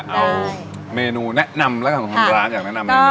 เอาเมนูแนะนำละก่อนของร้าน